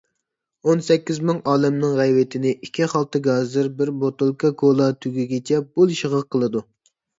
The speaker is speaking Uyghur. ئون سەككىز مىڭ ئالەمنىڭ غەيۋىتىنى ئىككى خالتا گازىر، بىر بوتۇلكا كولا تۈگىگىچە بولىشىغا قىلىدۇ.